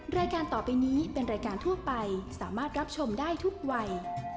รายการต่อไปนี้เป็นรายการทั่วไปสามารถรับชมได้ทุกวัย